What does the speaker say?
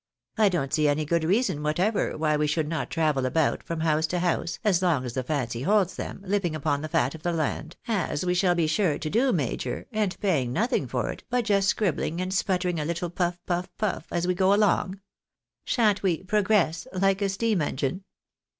1 don't see any good reason whatever why we should not travel about from house to house, as long as the fancy holds them, living upon the fat of the land, as we shall be sure to do, major, and paying nothing for it but just scribbling and sputtering a little puff, puff, puff, as we go along. Shan't we 'p?wy/ ew' like a steam engine!